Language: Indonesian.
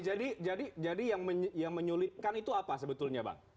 jadi yang menyulitkan itu apa sebetulnya bang